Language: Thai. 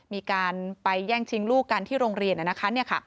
มีการไปแย่งชิงลูกกันที่โรงเรียนนะคะ